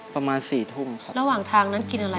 ประมาณ๔ทุ่มครับ